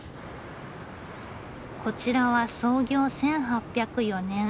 こちらは創業１８０４年。